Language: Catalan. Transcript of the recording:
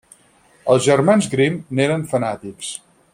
Els germans Grimm n'eren fanàtics.